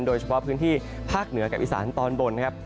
โดยเฉพาะพื้นที่ภาคเหนือกับอีสานตอนบนนะครับ